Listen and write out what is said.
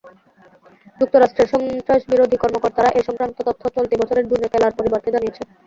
যুক্তরাষ্ট্রের সন্ত্রাসবিরোধী কর্মকর্তারা এ-সংক্রান্ত তথ্য চলতি বছরের জুনে কেলার পরিবারকে জানিয়েছে।